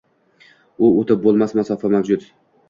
U o‘tib bo‘lmas masofa mavjud